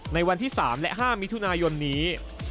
ในวันที่๓และ๕มิถุนายนนี้